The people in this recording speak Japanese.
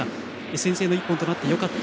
先制の１本となってよかった。